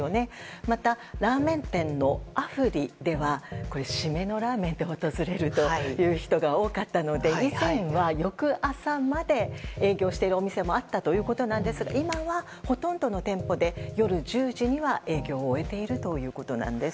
また、ラーメン店のＡＦＵＲＩでは締めのラーメンで訪れるという人が多かったので以前は、翌朝まで営業しているお店もあったということなんですが今は、ほとんどの店舗で夜１０時には営業を終えているということなんです。